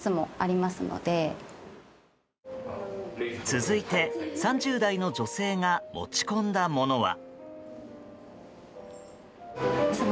続いて３０代の女性が持ち込んだものは。